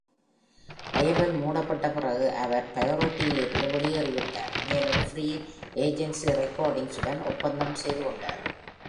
label மூடப்பட்ட பிறகு அவர் Priority-லிருந்து வெளியேறிவிட்டார் மேலும் Free Agency Recordings உடன் ஒப்பந்தம் செய்துகொண்டார்